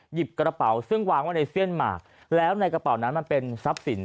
หยิบกระเป๋าซึ่งวางไว้ในเสี้ยนหมากแล้วในกระเป๋านั้นมันเป็นทรัพย์สิน